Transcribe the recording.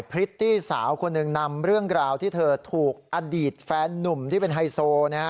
พริตตี้สาวคนหนึ่งนำเรื่องราวที่เธอถูกอดีตแฟนนุ่มที่เป็นไฮโซ